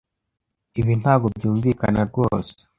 Ibi ntabwo byumvikana rwose.